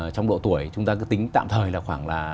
trong độ tuổi chúng ta cứ tính tạm thời là khoảng là